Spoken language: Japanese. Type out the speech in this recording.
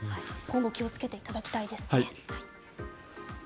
今後、気をつけていただきたいですね。